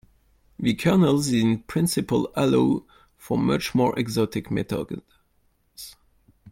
The kernels in principle allow for much more exotic methods.